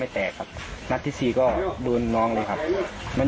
เราบอกอยู่บ้าน